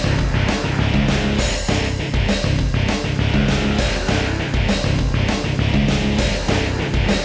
jangan mel sering memer consort